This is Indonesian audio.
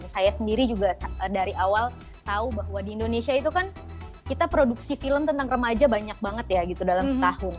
saya sendiri juga dari awal tahu bahwa di indonesia itu kan kita produksi film tentang remaja banyak banget ya gitu dalam setahun